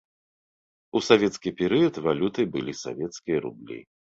У савецкі перыяд валютай былі савецкія рублі.